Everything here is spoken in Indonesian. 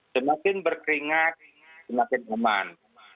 semakin berkeringat semakin aman